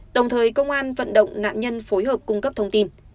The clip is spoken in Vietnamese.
đồng thời công an vận động nạn nhân phối hợp cung cấp thông tin